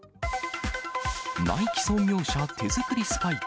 ナイキ創業者手作りスパイク。